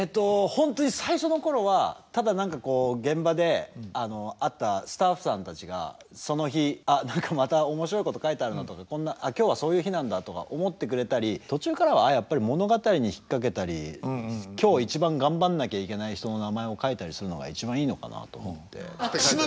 本当に最初の頃はただ何かこう現場で会ったスタッフさんたちがその日「あっ何かまた面白いこと書いてあるな」とか「今日はそういう日なんだ」とか思ってくれたり途中からはやっぱり物語に引っ掛けたり今日一番頑張んなきゃいけない人の名前を書いたりするのが一番いいのかなと思って。